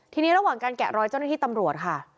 ทีนี้ระหว่างการแกะรอยเจ้าหน้าที่ตำรวจค่ะ